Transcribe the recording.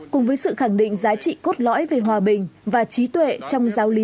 cùng với sự khẳng định giá trị cốt lõi về hòa bình và trí tuệ trong giáo lý